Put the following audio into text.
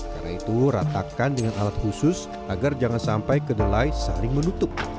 karena itu ratakan dengan alat khusus agar jangan sampai kedelai saring menutup